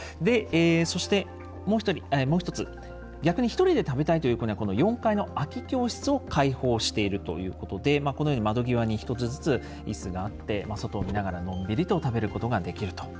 そしてもう一つ逆に一人で食べたいという子にはこの４階の空き教室を開放しているということでこのように窓際に一つずつ椅子があって外を見ながらのんびりと食べることができるということなんです。